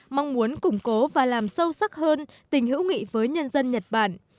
mong muốn củng cố và làm sâu sắc hơn tình hữu nghị với nhân dân nhật bản